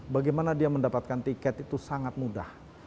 bagaimana dia mendapatkan tiket itu sangat mudah